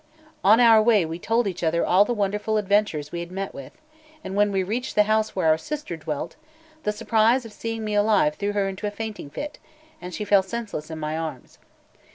On our way we told each other all the wonderful adventures we had met with; and when we reached the house where our sister dwelt, the surprise of seeing me alive threw her into a fainting fit, and she fell senseless in my arms.